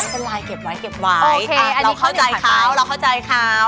กลายเก็บไว้เก็บไว้เราเข้าใจเขาเราเข้าใจเขา